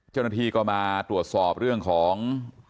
เจ้าหน้าที่ก็มาตรวจสอบเรื่องของ